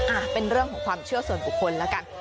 อ่ะเป็นเรื่องของความเชื่อส่วนบุคคลแล้วกัน